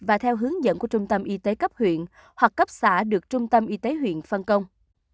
và theo hướng dẫn của trung tâm y tế cấp huyện hoặc cấp xã được trung tâm y tế huyện phân công